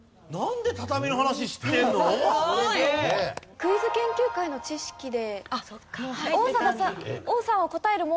クイズ研究会の知識で。